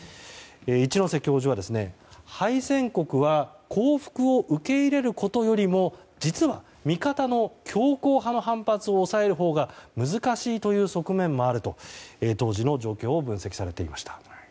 一ノ瀬教授は、敗戦国は降伏を受け入れることよりも実は味方の強硬派の反発を抑えるほうが難しいという側面もあると当時の状況を分析されていました。